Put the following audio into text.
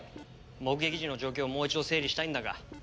目撃時の状況をもう一度整理したいんだが。